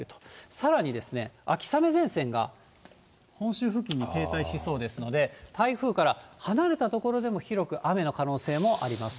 さらに秋雨前線が、本州付近に停滞しそうですので、台風から離れた所でも広く雨の可能性もあります。